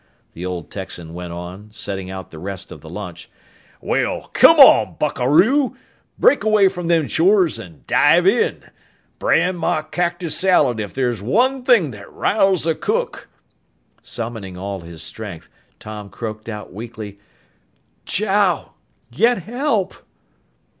the old Texan went on, setting out the rest of the lunch. "Well, come on, buckaroo! Break away from them chores an' dive in! Brand my cactus salad, if there's one thing that riles a cook " Summoning all his strength, Tom croaked out weakly, "Chow!... Get help!"